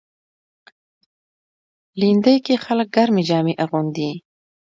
لېندۍ کې خلک ګرمې جامې اغوندي.